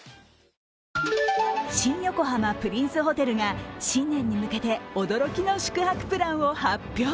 新横浜プリンスホテルが新年に向けて驚きの宿泊プランを発表。